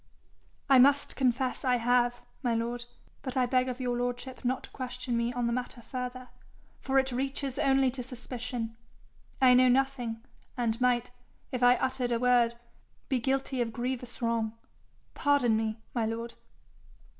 'I must confess I have, my lord; but I beg of your lordship not to question me on the matter further, for it reaches only to suspicion. I know nothing, and might, if I uttered a word, be guilty of grievous wrong. Pardon me, my lord.'